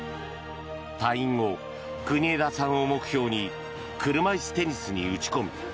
退院後、国枝さんを目標に車いすテニスに打ち込む。